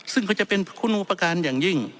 ซึ่งเขาจะเป็นคุณภาการอย่างยิ่ง